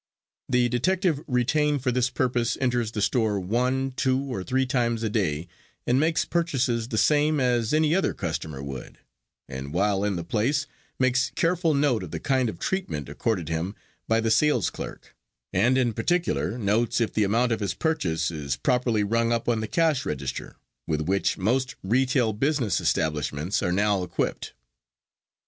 The detective retained for this purpose enters the store one, two or three times a day and makes purchases the same as any other customer would, and while in the place makes careful note of the kind of treatment accorded him by the sales clerk, and in particular notes if the amount of his purchase is properly rung up on the cash register, with which most retail business establishments are now equipped.